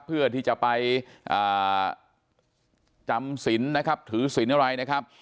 เพื่อที่จะไปจำสินนะครับถือศิลป์อะไรนะครับ